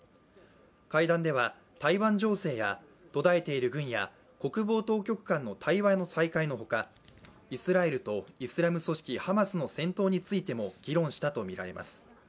会談では台湾情勢や、途絶えている軍や国防当局間の対話の再開のほかイスラエルとイスラム組織ハマスの戦闘についても議論したとみられます。